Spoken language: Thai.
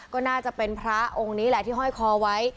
ก็น่าจะเป็นพระองค์นี้แหละที่ห้อยคอไว้